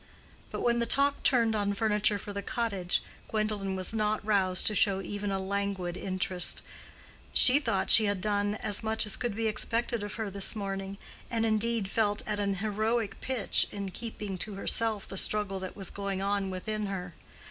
But when the talk turned on furniture for the cottage Gwendolen was not roused to show even a languid interest. She thought that she had done as much as could be expected of her this morning, and indeed felt at an heroic pitch in keeping to herself the struggle that was going on within her.